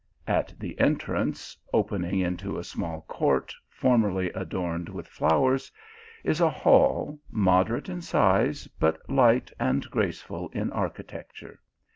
At the entrance, opening into a small court formerly adorned with flowers, is a hall, moderate in size, but light and graceful in archi tecture.